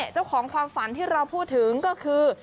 ความฝันที่เราพูดถึงก็คือ